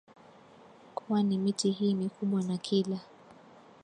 kuwa na miti hii mikubwa Na kila